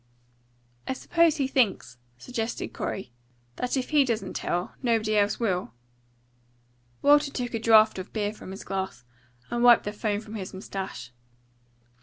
"I suppose he thinks," suggested Corey, "that if he doesn't tell, nobody else will." Walker took a draught of beer from his glass, and wiped the foam from his moustache.